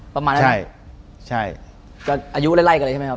ประมาณนั้นใช่ใช่ก็อายุไล่ไล่กันเลยใช่ไหมครับ